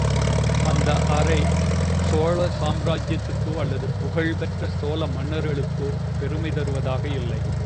அந்த அறை சோழ சாம்ராஜ்யத்துக்கோ அல்லது புகழ் பெற்ற சோழ மன்னர்களுக்கோ பெருமை தருவதாக இல்லை.